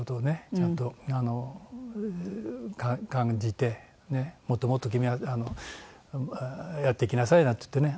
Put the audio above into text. ちゃんと感じて「もっともっと君はやっていきなさい」なんて言ってね